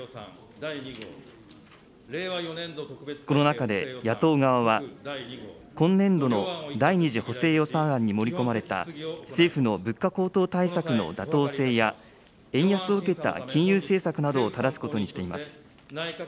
この中で野党側は、今年度の第２次補正予算案に盛り込まれた政府の物価高騰対策の妥当性や、円安を受けた金融政策などをただすことにしています。